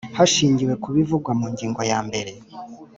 Hashingiwe ku bivugwa mu ngingo ya mbere